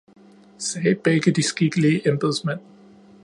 sagde begge de skikkelige embedsmænd.